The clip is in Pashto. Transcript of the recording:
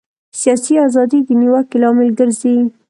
سیاسي ازادي د نیوکې لامل ګرځي.